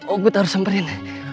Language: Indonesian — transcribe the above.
ogut harus semperin